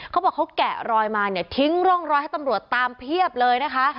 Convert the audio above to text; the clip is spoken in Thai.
เขาบอกเขาแกะรอยมาเนี่ยทิ้งร่องรอยให้ตำรวจตามเพียบเลยนะคะ